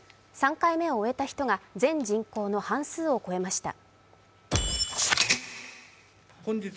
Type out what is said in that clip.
３回目を終えた人が全人口の半数を超えました。